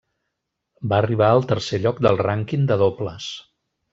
Va arribar al tercer lloc del rànquing de dobles.